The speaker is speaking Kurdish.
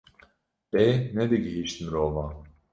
lê nedigihîşt mirovan.